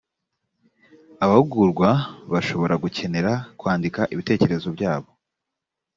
abahugurwa bashobora gukenera kwandika ibitekerezo byabo